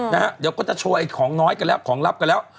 นะฮะเดี๋ยวก็จะโชว์ไอของน้อยกันแล้วของลับกันแล้ว